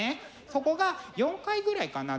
そこが４回ぐらいかな？